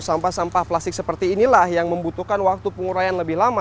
sampah sampah plastik seperti inilah yang membutuhkan waktu pengurayan lebih lama